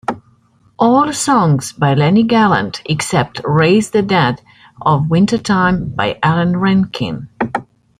All songs by Lennie Gallant except "Raise the Dead of Wintertime" by Allan Rankin.